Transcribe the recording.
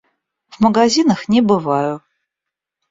В магазинах не бываю.